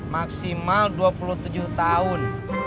maksimal dua puluh tujuh tahun